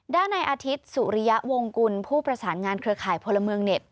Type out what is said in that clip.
ด้านในอาทิตย์สุริยะวงกุลผู้ประสานงานเครือข่ายพลเมืองเน็ต